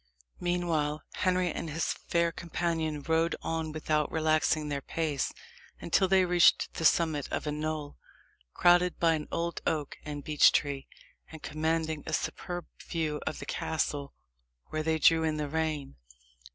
Meanwhile, Henry and his fair companion rode on without relaxing their pace, until they reached the summit of a knoll, crowned by an old oak and beech tree, and commanding a superb view of the castle, where they drew in the rein.